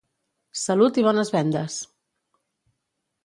Salut i bones vendes!